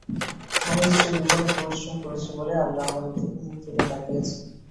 স্বামী স্ত্রী দুজনে পরিশ্রম করেছি বলে আল্লাহ আমাদের দিকে মুখ তুলে তাকিয়েছেন।